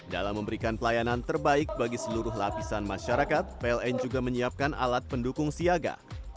dalam memberikan pelayanan terbaik bagi seluruh lapisan masyarakat pln juga menyiapkan alat pendukung siaga